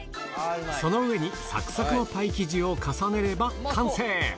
その上にサクサクのパイ生地を重ねれば完成